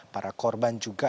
para korban juga